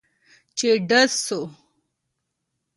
چې ډز سو.